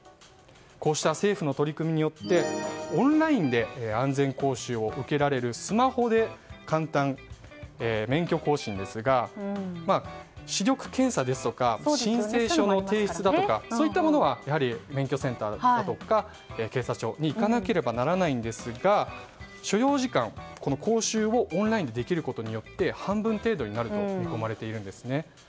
こうした政府の取り組みによってオンラインで安全講習を受けられるスマホで簡単免許更新ですが視力検査や申請書の提出だとかそういったものは免許センターだとか警察署に行かなければならないんですが所要時間、講習をオンラインでできることによって半分程度になると見込まれているんですね。